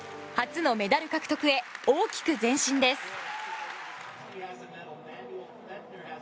初のメダル獲得へ大きく前進です。